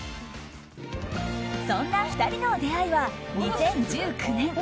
そんな２人の出会いは２０１９年。